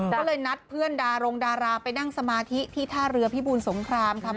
ก็เลยนัดเพื่อนดารงดาราไปนั่งสมาธิที่ท่าเรือพิบูลสงครามค่ะ